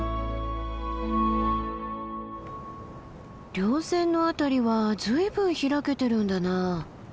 稜線の辺りは随分開けてるんだな。